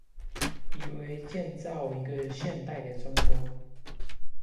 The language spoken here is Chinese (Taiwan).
以為建造一個現代的中國